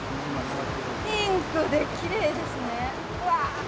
ピンクできれいですね。